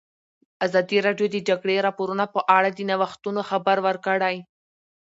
ازادي راډیو د د جګړې راپورونه په اړه د نوښتونو خبر ورکړی.